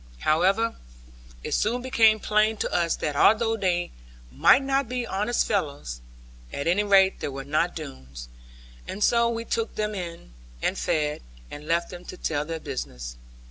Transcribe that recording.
However, it soon became plain to us that although they might not be honest fellows, at any rate they were not Doones; and so we took them in, and fed, and left them to tell their business.